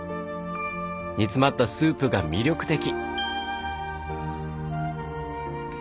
煮詰まったスープが魅力的！